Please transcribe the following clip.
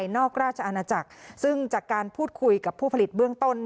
ขอบคุณครับ